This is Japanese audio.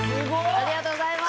ありがとうございます。